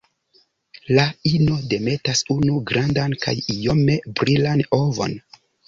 La ino demetas unu grandan kaj iome brilan ovon.